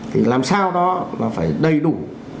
thì làm sao đó mà phải đầy đủ